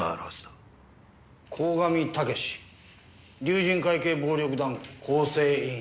鴻上猛龍神会系暴力団構成員。